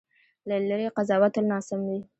له لرې قضاوت تل ناسم وي.